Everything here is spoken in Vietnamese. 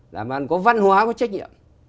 làm ăn có văn hóa có trách nhiệm